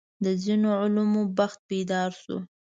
د ځینو علومو بخت بیدار شو.